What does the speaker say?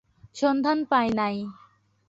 সন্ধান পাই নাই।